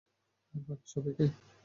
আর বাকি সবাইকে?